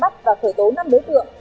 bắt và khởi tố năm đối tượng